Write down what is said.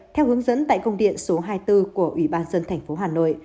theo hướng dẫn tại công điện số hai mươi bốn của ủy ban dân thành phố hà nội